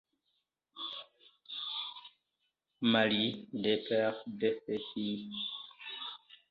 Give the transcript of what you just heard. Marié, il est père de feux filles.